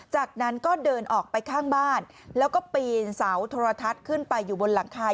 จากนั้นก็เดินออกไปข้างบ้านแล้วก็ปีนเสาโทรทัศน์ขึ้นไปอยู่บนหลังคา